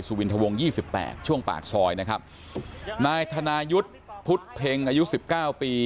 สุวินทะวง๒๘ช่วงปากซอยนะครับนายธนายุทธพุทธเพ็งอายุ๑๙ปี